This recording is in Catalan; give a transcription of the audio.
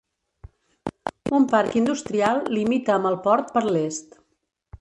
Un parc industrial limita amb el port per l'est.